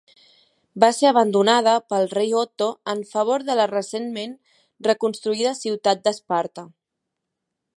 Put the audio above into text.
Va ser abandonada pel rei Otto en favor de la recentment reconstruïda ciutat d'Esparta.